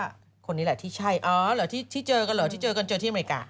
ขอบคุณค่ะคนนี้แหละที่ใช่อ๋อที่เจอกันเหรอที่เจอกันเจอที่อเมริกา